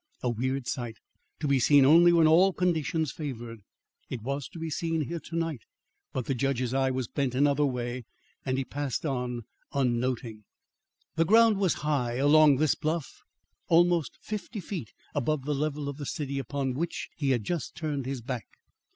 A weird sight, to be seen only when all conditions favoured. It was to be seen here to night; but the judge's eye was bent another way, and he passed on, unnoting. The ground was high along this bluff; almost fifty feet above the level of the city upon, which he had just turned his back.